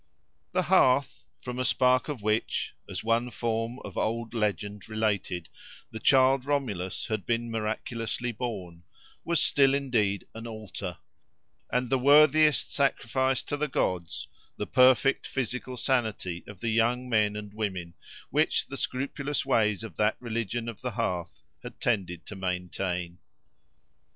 The hearth, from a spark of which, as one form of old legend related, the child Romulus had been miraculously born, was still indeed an altar; and the worthiest sacrifice to the gods the perfect physical sanity of the young men and women, which the scrupulous ways of that religion of the hearth had tended to maintain.